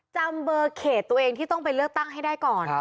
จำเบอร์เขตตัวเองที่ต้องไปเลือกตั้งให้ได้ก่อน